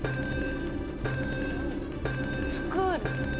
スクール。